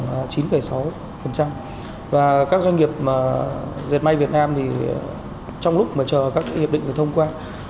các doanh nghiệp diệt may việt nam trong lúc chờ các hiệp định được thông qua